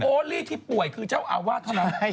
โอลี่ที่ป่วยคือเจ้าอาวาสเท่านั้น